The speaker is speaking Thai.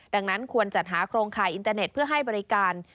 ดังนั้นควรจัดหาโครงข่ายอินเตอร์เน็ตเพื่อให้บริการ